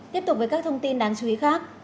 tiếp tục với các thông tin đáng chú ý khác